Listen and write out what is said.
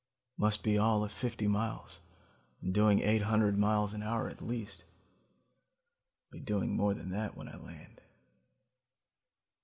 Must be all of fifty miles, and doing eight hundred miles an hour at least. I'll be doing more than that when I land.